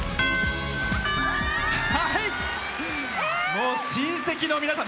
もう親戚の皆さん。